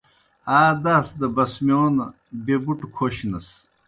آ داس دہ بسمِیون بیْہ بُٹھہ کھوشنَس۔